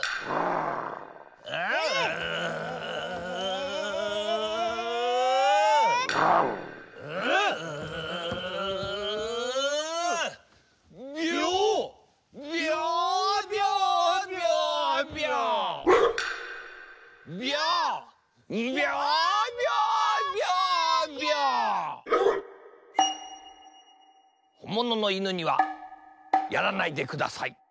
ほんものの犬にはやらないでください。